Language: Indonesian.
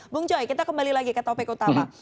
bung joy kita kembali lagi ke topik utama